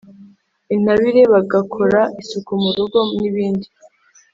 intabire, bagakora isuku mu rugo n’ibindi.